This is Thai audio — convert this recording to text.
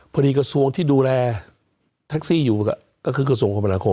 กระทรวงที่ดูแลแท็กซี่อยู่ก็คือกระทรวงคมนาคม